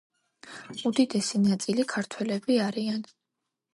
უდიდესი ნაწილი ქართველები არიან.